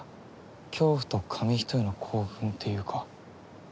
恐怖と紙一重の興奮っていうか。